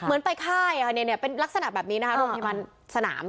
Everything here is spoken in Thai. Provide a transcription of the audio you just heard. เหมือนไปค่ายเป็นลักษณะแบบนี้นะคะโรงพยาบาลสนาม